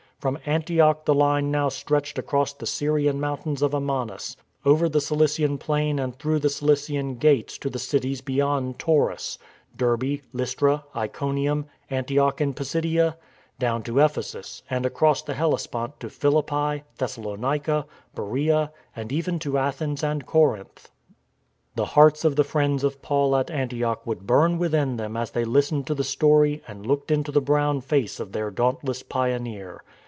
From Antioch the line now stretched across the Syrian mountains of Amanus, over the Cilician plain and through the Cilician gates to the cities beyond Taurus — Derbe, Lystra, Iconium, Antioch in Pisidia — down to Ephesus, and across 242 STORM AND STRESS the Hellespont to Philippi, Thessalonica, Beroea, and even to Athens and Corinth.^ The hearts of the friends of Paul at Antioch would burn within them as they listened to the story and looked into the brown face of their dauntless pioneer.